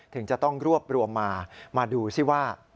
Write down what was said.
ถึงจะต้องรวบรวมมามาดูซิว่า